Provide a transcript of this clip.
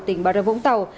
tỉnh bà rợi vũng tàu